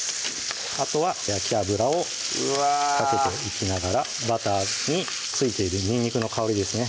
あとは焼き油をかけていきながらバターについているにんにくの香りですね